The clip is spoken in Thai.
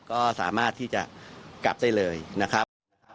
ก็สามารถที่จะกลับได้เลยนะครับ